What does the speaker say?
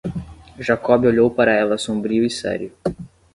Jakob olhou para ela sombrio e sério.